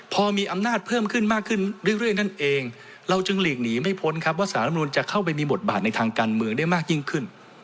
พอมีอำนาจเพิ่มขึ้นมากขึ้นเรื่อยนั่นเองเราจึงหลีกหนีไม่พ้นครับว่าสารรัฐมนุนจะเข้าไปมีบทบาทในทางการเมืองได้มากยิ่งขึ้น